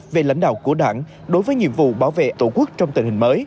về lãnh đạo của đảng đối với nhiệm vụ bảo vệ tổ quốc trong tình hình mới